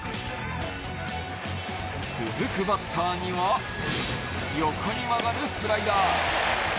続くバッターには横に曲がるスライダー。